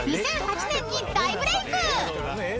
２００８年に大ブレイク］